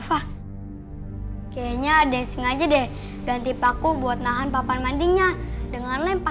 aku masih penasaran deh sama hantu noni belanda yang satu lagi